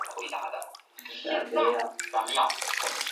塞尔维亚王国又在保加利亚之后统治弗拉涅。